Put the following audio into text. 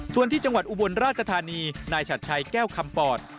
ส่วนที่จังหวัดอุบลราชธานีนายฉัดชัยแก้วคำปอด